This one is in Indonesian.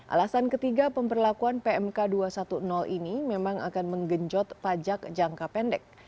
alasan ketiga pemberlakuan pmk dua ratus sepuluh ini memang akan menggenjot pajak jangka pendek